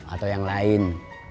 atau yang lain